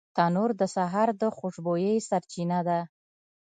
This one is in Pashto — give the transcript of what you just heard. تنور د سهار د خوشبویۍ سرچینه ده